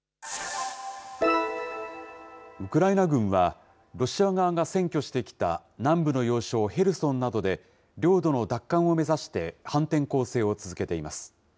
ウクライナ軍は、ロシア側が占拠してきた南部の要衝ヘルソンなどで、領土の奪還を目指して反転攻勢を続けています。